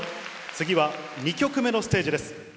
次は２曲目のステージです。